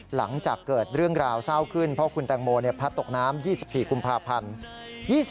หลังจากเกิดเรื่องราวเศร้าขึ้นเพราะคุณแตงโมพลัดตกน้ำ๒๔กุมภาพันธ์